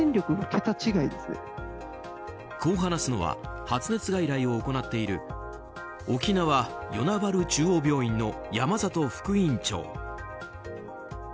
こう話すのは発熱外来を行っている沖縄・与那原中央病院の山里副院長。